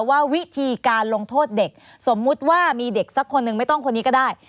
ว่าวิธีการลงโทษเด็กสมมุติว่ามีเด็กสักคนหนึ่งไม่ต้องคนนี้ก็ได้